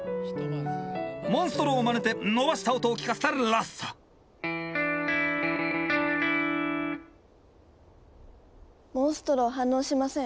モンストロをまねて伸ばした音を聞かせたロッソモンストロ反応しません。